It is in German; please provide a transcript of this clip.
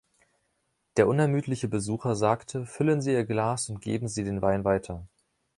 Der unermüdliche Besucher sagte: „Füllen Sie Ihr Glas und geben Sie den Wein weiter.“